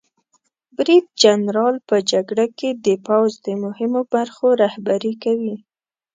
برید جنرال په جګړه کې د پوځ د مهمو برخو رهبري کوي.